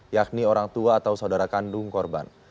yakni orang tua atau saudara kandung korban